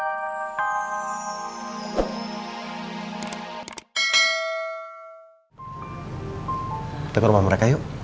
itu ke rumah mereka yuk